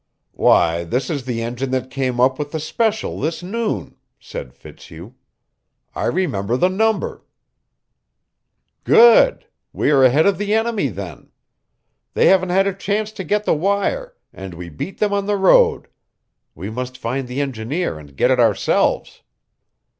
"Why, this is the engine that came up with the special this noon," said Fitzhugh. "I remember the number." "Good! We are ahead of the enemy, then. They haven't had a chance to get the wire, and we beat them on the road. We must find the engineer and get it ourselves."